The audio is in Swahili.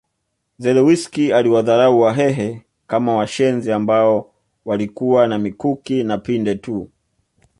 Zelewski aliwadharau Wahehe kama washenzi ambao walikuwa na mikuki na pinde tu